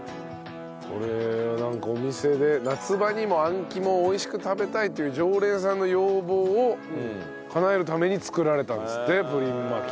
これなんかお店で夏場にもあん肝を美味しく食べたいという常連さんの要望をかなえるために作られたんですってプリン巻き。